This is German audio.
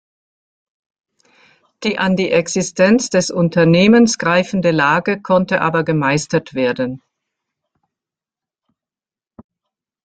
Die an die Existenz des Unternehmens greifende Lage konnte aber gemeistert werden.